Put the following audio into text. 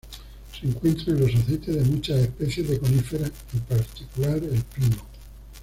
Se encuentra en los aceites de muchas especies de coníferas, en particular el pino.